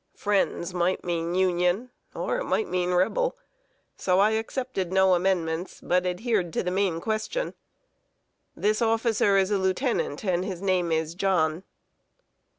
"Friends" might mean Union or it might mean Rebel; so I accepted no amendments, but adhered to the main question: "This officer is a lieutenant, and his name is John."